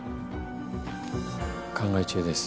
考え中です。